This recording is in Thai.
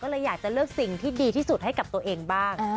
ก็เลยอยากจะเลือกสิ่งที่ดีที่สุดให้กับตัวเองบ้าง